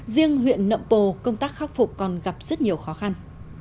riêng huyện nậm bồ công tác khắc phục còn gặp rất nhiều khó khăn